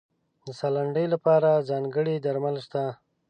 د ساه لنډۍ لپاره ځانګړي درمل شته.